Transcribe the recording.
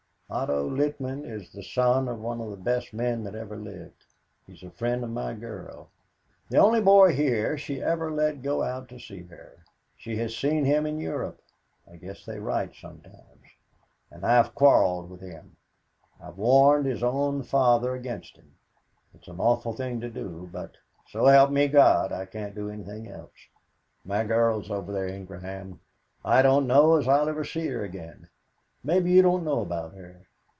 "Otto Littman is the son of one of the best men that ever lived. He's a friend of my girl. The only boy here she ever let go out to see her. She has seen him in Europe. I guess they write sometimes. And I have quarreled with him. I have warned his own father against him. It is an awful thing to do, but, so help me, God, I can't do anything else. My girl's over there, Ingraham; I don't know as I'll ever see her again. Maybe you don't know about her.